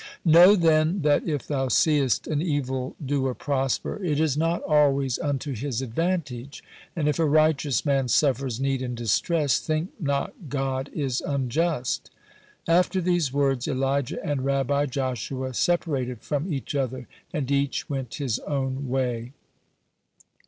Know, then, that if thou seest an evil doer prosper, it is not always unto his advantage, and if a righteous man suffers need and distress, think not God is unjust." After these words Elijah and Rabbi Joshua separated from each other, and each went his own way.